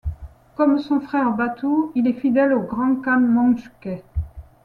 Comme son frère Batu, il est fidèle au Grand Khan Möngke.